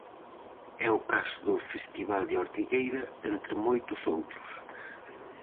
É o caso do festival de Ortigueira entre moitos outros.